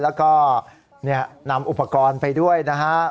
แล้วก็นำอุปกรณ์ไปด้วยนะฮะ